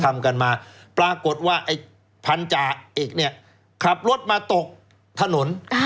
ทำกันมาปรากฏว่าไอ้พันธาเอกเนี่ยขับรถมาตกถนน